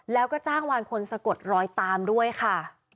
แล้วก็จ้างวานคนสะกดรอยตามด้วยค่ะ